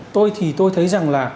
tôi thì tôi thấy rằng là